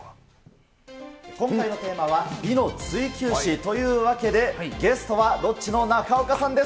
今回のテーマは美の追求史というわけで、ゲストはロッチの中岡さんです。